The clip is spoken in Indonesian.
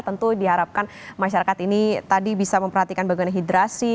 tentu diharapkan masyarakat ini tadi bisa memperhatikan bagaimana hidrasi